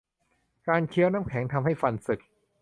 การเคี้ยวน้ำแข็ง ทำให้ฟันสึก